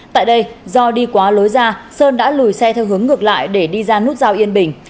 tại đây do đi quá lối ra sơn đã lùi xe theo hướng ngược lại để đi ra nút giao yên bình